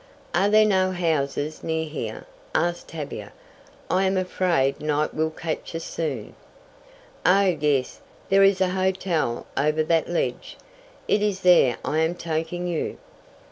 "Are there no houses near here?" asked Tavia. "I am afraid night will catch us soon." "Oh, yes, there is a hotel over that ledge. It is there I am taking you."